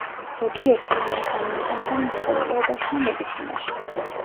ზოგიერთი ლამი გამოიყენება მეცხოველეობაში და მედიცინაში.